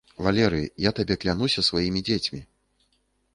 Валерый, я табе клянуся сваімі дзецьмі.